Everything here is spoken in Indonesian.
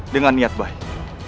dengan niat baik